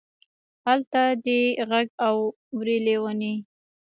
الته دې غږ اوري لېونۍ.